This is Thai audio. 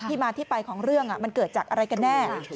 มาที่ไปของเรื่องมันเกิดจากอะไรกันแน่